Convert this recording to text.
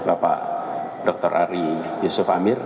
bapak dr ari yusuf amir